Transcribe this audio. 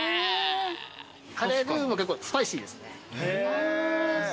カレールウも結構スパイシーですね。